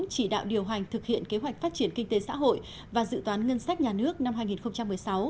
chỉ đạo điều hành thực hiện kế hoạch phát triển kinh tế xã hội và dự toán ngân sách nhà nước năm hai nghìn một mươi sáu